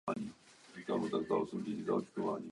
Materiálem budoucnosti jsou výrobky původem z přírody.